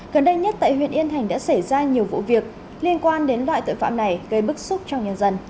gần đây nhất tại huyện yên thành đã xảy ra nhiều vụ việc liên quan đến loại tội phạm này gây bức xúc trong nhân dân